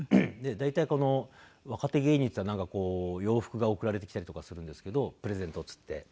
大体この若手芸人っていったらなんか洋服が送られてきたりとかするんですけどプレゼントっつって。